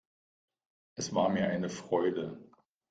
Es war mir eine Freude.